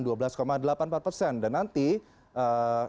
dan nanti setelah adanya kenaikan cukai rokok ini